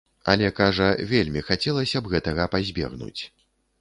Але, кажа, вельмі хацелася б гэтага пазбегнуць.